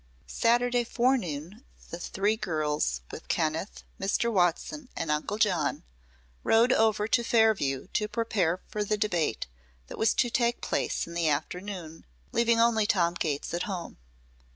Saturday forenoon the three girls, with Kenneth, Mr. Watson and Uncle John, rode over to Fairview to prepare for the debate that was to take place in the afternoon, leaving only Tom Gates at home.